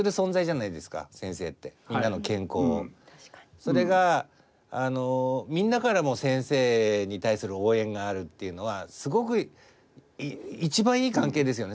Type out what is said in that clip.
それがみんなからも先生に対する応援があるっていうのはすごく一番いい関係ですよね